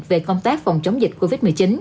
về công tác phòng chống dịch covid một mươi chín